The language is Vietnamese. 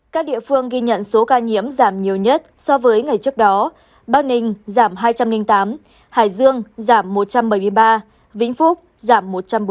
các địa phương ghi nhận số ca nhiễm giảm nhiều nhất so với ngày trước đó bắc ninh giảm hai trăm linh tám hải dương giảm một trăm bảy mươi ba vĩnh phúc giảm một trăm bốn mươi ba